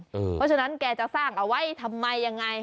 เพราะฉะนั้นแกจะสร้างเอาไว้ทำไมยังไง